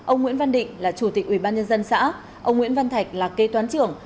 ông nguyễn văn định là chủ tịch ubnd xã ông nguyễn văn thạch là kê toán trưởng